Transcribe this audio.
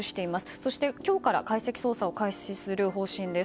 そして今日から解析捜査を開始する方針です。